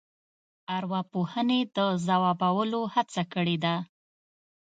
ارواپوهنې د ځوابولو هڅه کړې ده.